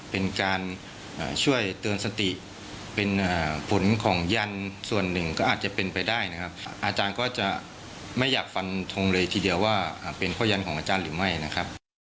เป็นความเชื่อส่วนบุคคลค่ะ